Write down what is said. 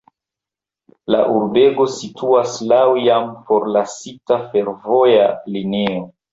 La urbego situas laŭ jam forlasita fervoja linio.